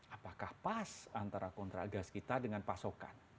apakah pas antara kontrak gas kita dengan pasokan